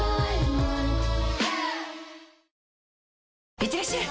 いってらっしゃい！